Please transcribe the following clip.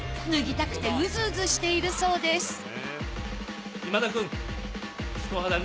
脱ぎたくてウズウズしているそうです